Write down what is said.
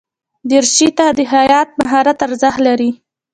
دریشي ته د خیاط مهارت ارزښت لري.